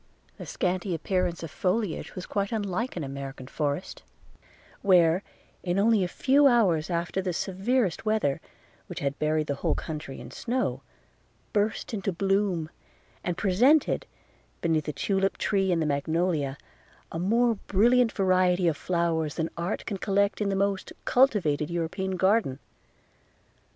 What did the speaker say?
The scanty appearance of foliage was quite unlike an American forest, where, in only a few hours after the severest weather, which had buried the whole country in snow, burst into bloom, and presented, beneath the tulip tree and the magnolia, a more brilliant variety of flowers than art can collect in the most cultivated European garden.